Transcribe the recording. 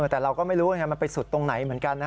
แต่เราก็ไม่รู้มันไปสุดตรงไหนเหมือนกัน